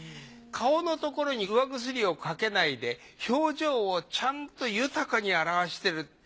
顔のところに釉薬をかけないで表情をちゃんと豊かに表してる。